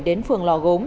đến phường lò gốm